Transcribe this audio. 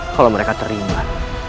kalau mereka terlibat